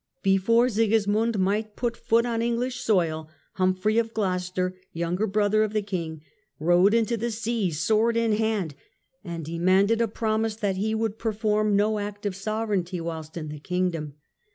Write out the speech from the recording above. Before Sigismund might put foot on Enghsh soil, Humphrey of Gloucester, younger brother of the King, rode into the sea sword in hand, and de manded a promise that he would perform no act of sovereignty whilst in the kingdom.